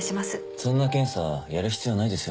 そんな検査やる必要ないですよ